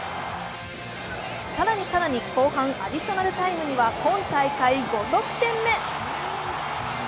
更に更に、後半アディショナルタイムには今大会５得点目。